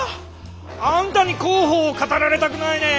あんたに広報を語られたくないね！